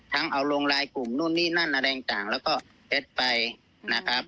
ทั้งเอาลงลายกลุ่มนู่นนี่นั่นอะไรต่างแล้วก็เท็จไปนะครับ